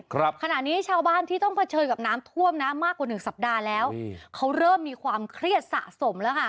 ครับขณะนี้ชาวบ้านที่ต้องเผชิญกับน้ำท่วมนะมากกว่าหนึ่งสัปดาห์แล้วอืมเขาเริ่มมีความเครียดสะสมแล้วค่ะ